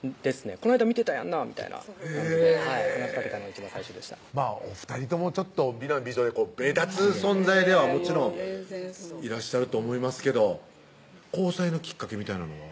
「こないだ見てたやんなぁ」みたいな感じで話しかけたのが一番最初でしたお２人とも美男美女で目立つ存在ではもちろんいらっしゃると思いますけど交際のきっかけみたいなのは？